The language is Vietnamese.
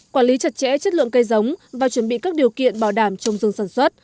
quản lý chặt chẽ chất lượng cây giống và chuẩn bị các điều kiện bảo đảm trồng rừng sản xuất